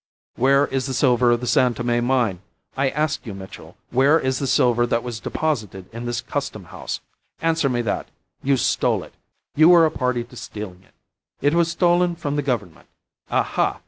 "Where is the silver of the San Tome mine? I ask you, Mitchell, where is the silver that was deposited in this Custom House? Answer me that! You stole it. You were a party to stealing it. It was stolen from the Government. Aha!